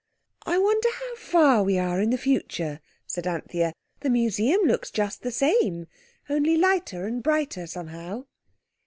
"I wonder how far we are in the future," said Anthea; the Museum looks just the same, only lighter and brighter, somehow."